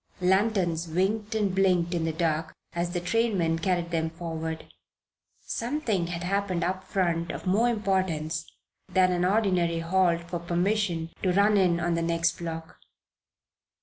Lanterns winked and blinked in the dark as the trainmen carried them forward. Something had happened up front of more importance than an ordinary halt for permission to run in on the next block.